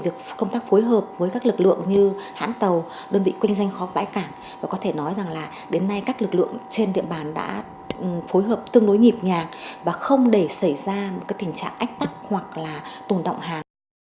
việc công tác phối hợp với các lực lượng như hãng tàu đơn vị kinh doanh khó bãi cảng và có thể nói rằng là đến nay các lực lượng trên địa bàn đã phối hợp tương đối nhịp nhàng và không để xảy ra một tình trạng ách tắc hoặc là tồn động hàng